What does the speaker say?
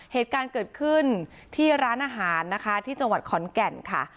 เหตุการณ์เกิดขึ้นที่ร้านอาหารนะคะที่จังหวัดขอนแก่นค่ะ